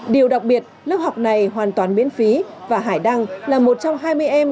điều đặc biệt lớp học này hoàn toàn miễn phí và hải đăng là một trong hai mươi em